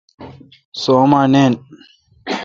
سو اوما ناین۔